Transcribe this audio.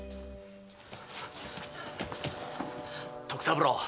徳三郎